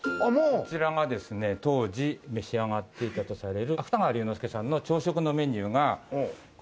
こちらがですね当時召し上がっていたとされる芥川龍之介さんの朝食のメニューがこんな形。